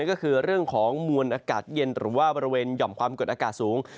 ก็คือเรื่องของมวลอากาศเย็นหรือว่าบริเวณหย่อมความกดอากาศสูง